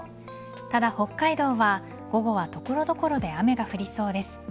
ただ北海道は午後は所々で雨が降りそうです。